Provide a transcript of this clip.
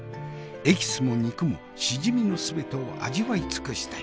エキスも肉もしじみの全てを味わい尽くしたい。